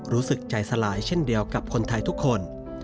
รู้สึกใจสลายเช่นเดียวกับคนไทยทุกคน